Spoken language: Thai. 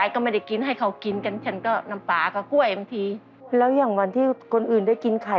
ไข่ให้หลานจ๊ะมือต่อไปหลานไม่มี